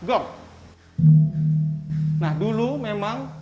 nah dulu memang gamelan hanya untuk menggambarkan perangkat gamelan